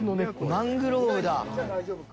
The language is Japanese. マングローブだ。